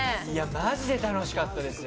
マジで楽しかったですよ。